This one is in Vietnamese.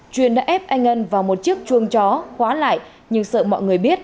chuyên đã ép anh ân vào một chiếc chuông chó khóa lại nhưng sợ mọi người biết